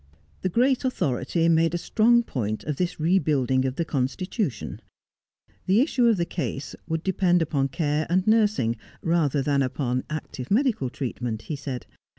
The great authority made a strong point of this rebuilding of the constitution. The issue of the case would depend upon care and nursing rather than upon active medical treatment, he said.